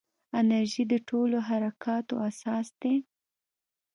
انرژي د ټولو حرکاتو اساس دی.